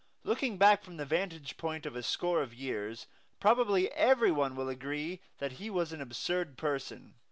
Looking back from the vantage point of a score of years, probably every one will agree that he was an absurd person.